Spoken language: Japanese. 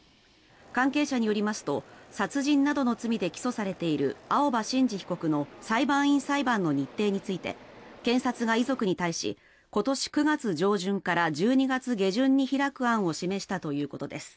関係者によりますと殺人などの罪で起訴されている青葉真司被告の裁判員裁判の日程について検察が遺族に対し今年９月上旬から１２月下旬に開く案を示したということです。